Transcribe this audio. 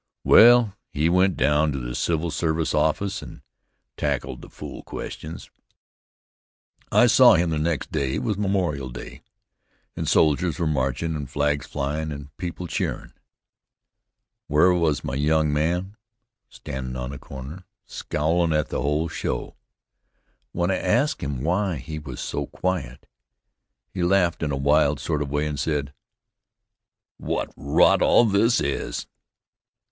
Well, he went down to the civil service office and tackled the fool questions. I saw him next day it was Memorial Day, and soldiers were marchin' and flags flyin' and people cheerin'. Where was my young man? Standin' on the corner, scowlin' at the whole show. When I asked him why he was so quiet, he laughed in a wild sort of way and said: "What rot all this is!"